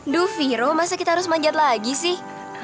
duh viro masa kita harus manjat lagi sih